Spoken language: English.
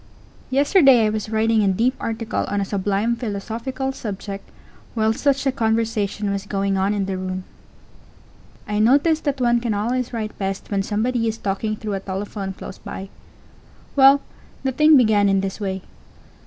Yesterday I was writing a deep article on a sublime philosophical subject while such a conversation was going on in the room. I notice that one can always write best when somebody is talking through a telephone close by. Well, the thing began in this way.